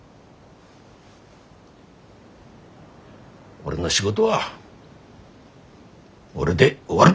俺の仕事は俺で終わる！